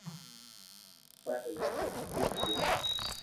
پاھي ري علائقون مشھور ھوئي گئي